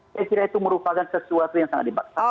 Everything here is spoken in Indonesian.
saya kira itu merupakan sesuatu yang sangat dibaksakan